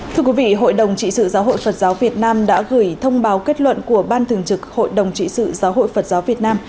thưa quý vị hội đồng trị sự giáo hội phật giáo việt nam đã gửi thông báo kết luận của ban thường trực hội đồng trị sự giáo hội phật giáo việt nam